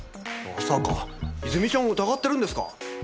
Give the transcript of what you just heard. まさか泉ちゃんを疑ってるんですか？